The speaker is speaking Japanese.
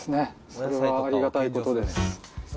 これはありがたいことです。